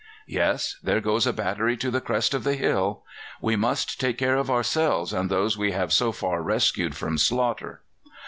Yes; there goes a battery to the crest of the hill. We must take care of ourselves and those we have so far rescued from slaughter.